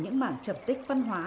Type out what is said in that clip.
những mảng trầm tích văn hóa